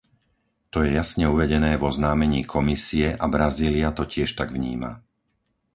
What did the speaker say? To je jasne uvedené v oznámení Komisie a Brazília to tiež tak vníma.